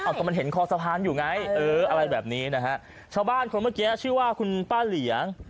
ก็มันเห็นคอสะพานอยู่ไงเอออะไรแบบนี้นะฮะชาวบ้านคนเมื่อกี้ชื่อว่าคุณป้าเหลียง